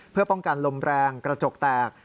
เพื่อป้องกันลมแรงกระจกแตก